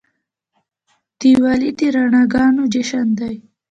دیوالي د رڼاګانو جشن دی.